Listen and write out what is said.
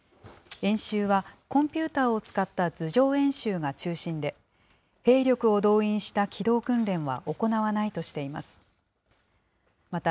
演習はコンピューターを使った図上演習が中心で、兵力を動員した機動訓練は行わないとしています。